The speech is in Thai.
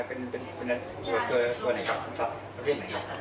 เป็นตัวไหนครับเป็นตัวไหนครับ